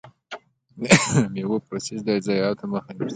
د میوو پروسس د ضایعاتو مخه نیسي.